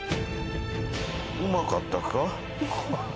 うまかったか？